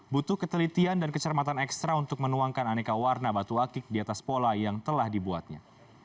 butuh ketelitian dan kecermatan ekstra untuk menuangkan aneka warna batu akik di atas pola yang telah dibuatnya